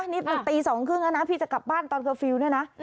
นี่มันตี๒๓๐แล้วนะพี่จะกลับบ้านตอนเคอร์ฟิลล์เนี่ยนะ